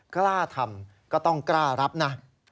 กล้าทำก็ต้องกล้ารับนะ